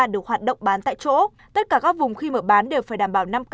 được hoạt động bán tại chỗ tất cả các vùng khi mở bán đều phải đảm bảo năm k